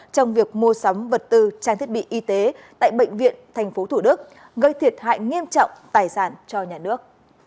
trong việc mua sắm vật tư trang thiết bị y tế tại bệnh viện tp thủ đức gây thiệt hại nghiêm trọng tài sản cho nhà nước